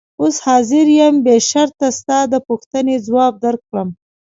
اوس حاضر یم بې شرطه ستا د پوښتنې ځواب درکړم.